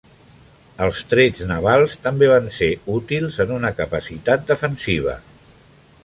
Els trets navals també van ser útils en una capacitat defensiva.